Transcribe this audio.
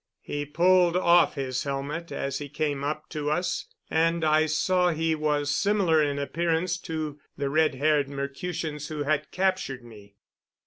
He pulled off his helmet as he came up to us, and I saw he was similar in appearance to the red haired Mercutians who had captured me.